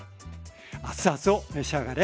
熱々を召し上がれ。